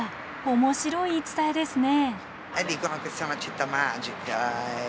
面白い言い伝えですね。